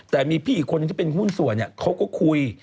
แต่มีพี่อีกคนนึงที่เป็นหุ้นส่วนเขาก็คุย